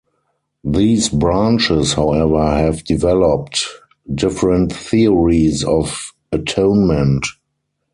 These branches however have developed different theories of atonement.